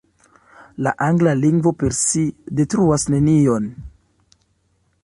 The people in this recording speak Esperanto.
La angla lingvo per si detruas nenion.